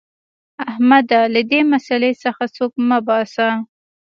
احمده! له دې مسئلې څخه سوک مه باسه.